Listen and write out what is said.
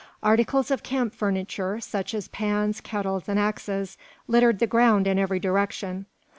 Articles of camp furniture, such as pans, kettles, and axes, littered the ground in every direction.